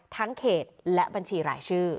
ทั้งเขตและบัญชีหลายชื่อ